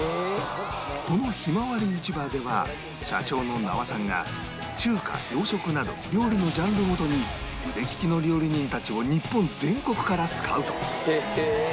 このひまわり市場では社長の那波さんが中華洋食など料理のジャンルごとに腕利きの料理人たちを日本全国からスカウト